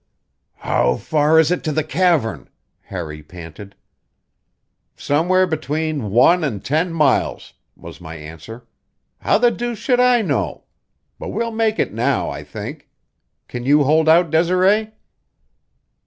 "How far is it to the cavern?" Harry panted. "Somewhere between one and ten miles," was my answer. "How the deuce should I know? But we'll make it now, I think. Can you hold out, Desiree?"